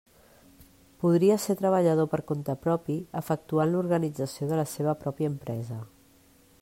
Podria ser treballador per compte propi efectuant l'organització de la seva pròpia empresa.